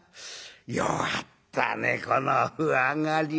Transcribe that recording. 弱ったねこの歩上がりは。